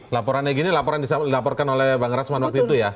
laporan egy ini laporan dilaporkan oleh bang resman waktu itu ya